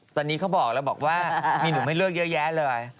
ตอนนี้เขาบอกแล้วบอกว่ามีหนุ่มให้เลือกเยอะแยะเลย